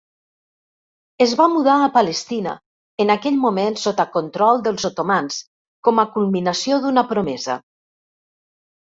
Es va mudar a Palestina, en aquell moment sota control dels Otomans, com a culminació d'una promesa.